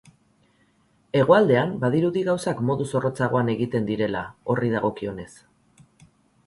Hegoaldean badirudi gauzak modu zorrotzagoan egiten direla horri dagokionez.